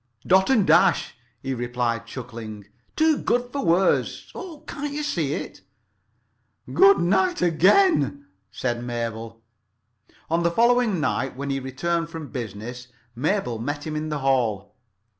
"Dot and Dash," he replied, chuckling. "Too good for words! Oh, can't you see it?" "Good night again," said Mabel. On the following night, when he returned from business, Mabel met him in the hall.